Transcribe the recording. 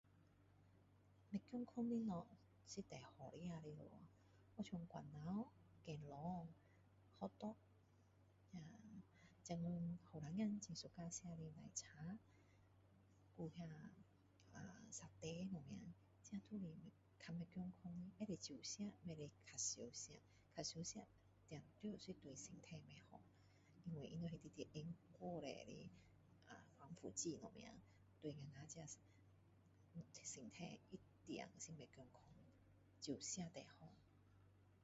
不健康的东西是最好吃的了咯好像罐头咸蛋Hotdog现今年轻人喜欢吃的奶茶啦还有satay什么都是比较不健康的东西要少可以吃不可以太常吃太常吃肯定对身体不好因为他们里面放了太多防腐剂什么对我们一定是不健康少吃最好